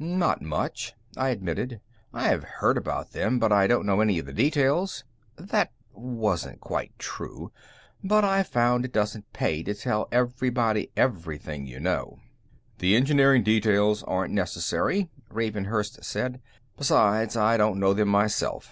"Not much," I admitted. "I've heard about them, but I don't know any of the details." That wasn't quite true, but I've found it doesn't pay to tell everybody everything you know. "The engineering details aren't necessary," Ravenhurst said. "Besides, I don't know them, myself.